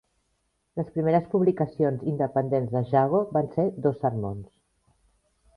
Les primeres publicacions independents de Jago van ser dos sermons.